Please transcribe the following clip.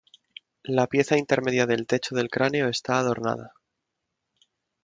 La pieza intermedia del techo del cráneo está adornada.